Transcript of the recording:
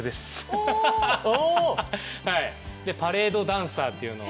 パレードダンサーっていうのを。